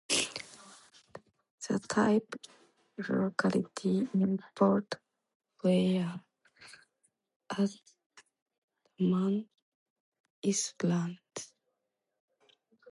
The type locality is Port Blair, Andaman Islands.